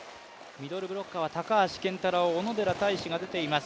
ミドルブロッカーは高橋健太郎、小野寺太志が出ています。